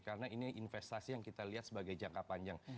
karena ini investasi yang kita lihat sebagai jangka panjang